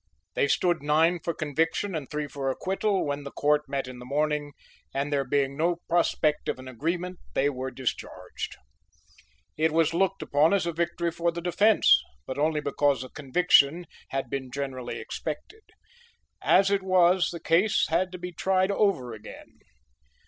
They stood nine for conviction and three for acquittal when the court met in the morning, and there being no prospect of an agreement, they were discharged. It was looked upon as a victory for the defence, but only because a conviction had been generally expected. As it was the case had to be tried over again.